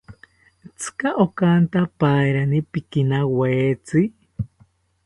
Tzika okanta pairani pikinawetzi